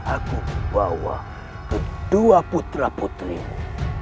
aku bawa kedua putra putrimu